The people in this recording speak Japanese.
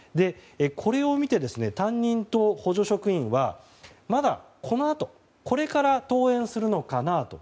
これを見て、担任と補助職員はまだ、このあとこれから登園するのかなと。